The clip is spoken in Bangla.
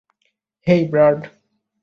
হেই, ব্র্যাড।